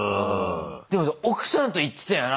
でも奥さんと行ってたよな？